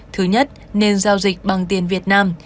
thứ nhất nên giao dịch bằng tiền việt nam